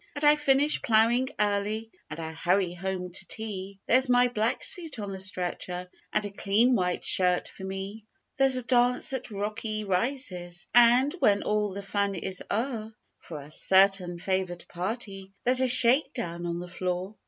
And I finish ploughing early, And I hurry home to tea There's my black suit on the stretcher, And a clean white shirt for me; There's a dance at Rocky Rises, And, when all the fun is o'er, For a certain favoured party There's a shake down on the floor.